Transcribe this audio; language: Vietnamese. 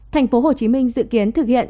tp hcm dự kiến thực hiện